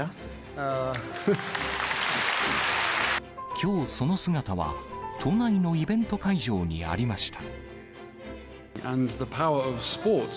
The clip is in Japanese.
きょうその姿は、都内のイベント会場にありました。